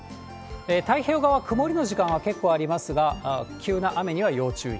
太平洋側、曇りの時間は結構ありますが、急な雨には要注意。